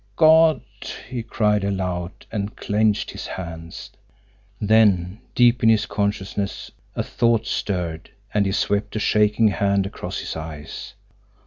"God!" he cried aloud, and clenched his hands. Then deep in his consciousness a thought stirred, and he swept a shaking hand across his eyes.